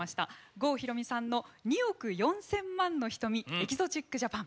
郷ひろみさんの「２億４千万の瞳エキゾチック・ジャパン」。